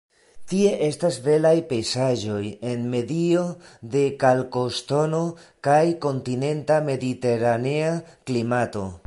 Tie estas belaj pejzaĝoj en medio de kalkoŝtono kaj kontinenta-mediteranea klimato.